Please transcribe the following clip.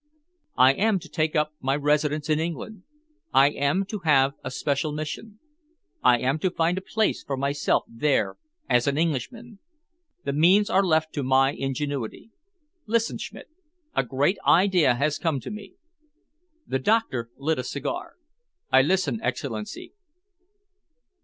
"I am to take up my residence in England. I am to have a special mission. I am to find a place for myself there as an Englishman. The means are left to my ingenuity. Listen, Schmidt. A great idea has come to me." The doctor lit a cigar. "I listen, Excellency."